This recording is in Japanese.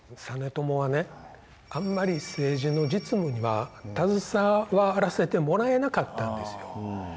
実朝はねあんまり政治の実務には携わらせてもらえなかったんですよ。